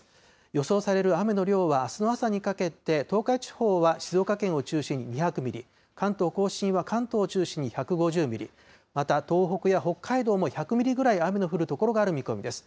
予想される雨の量は、あすの朝にかけて東海地方は静岡県を中心に２００ミリ、関東甲信は関東を中心に１５０ミリ、また東北や北海道も１００ミリぐらい雨の降る所がある見込みです。